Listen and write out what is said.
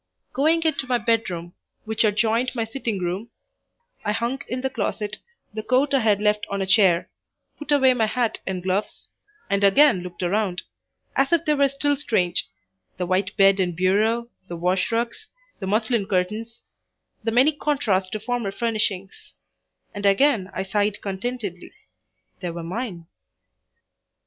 Going into my bedroom, which adjoined my sitting room, I hung in the closet the coat I had left on a chair, put away my hat and gloves, and again looked around, as if they were still strange the white bed and bureau, the wash rugs, the muslin curtains, the many contrasts to former furnishings and again I sighed contentedly. They were mine.